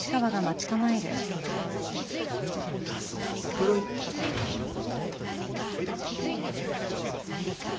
・室井おいで。